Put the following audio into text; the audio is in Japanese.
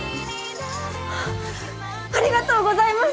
ありがとうございます！